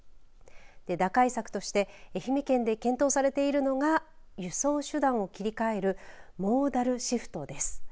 打開策として愛媛県で検討されているのが輸送手段を切り替えるモーダルシフトです。